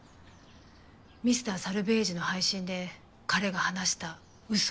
Ｍｒ．サルベージの配信で彼が話した嘘。